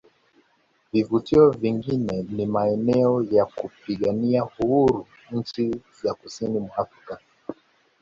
Vivutio vingine ni maeneo ya wapigania uhuru nchi za kusini mwa Afrika